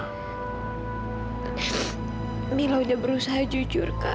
camilla udah berusaha jujur kak